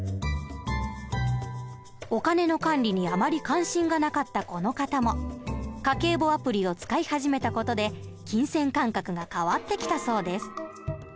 お金の管理にあまり関心がなかったこの方も家計簿アプリを使い始めた事で金銭感覚が変わってきたそうです。